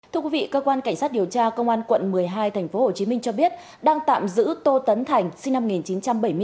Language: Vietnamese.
thưa quý vị cơ quan cảnh sát điều tra công an quận một mươi hai tp hcm cho biết đang tạm giữ tô tấn thành sinh năm một nghìn chín trăm bảy mươi bốn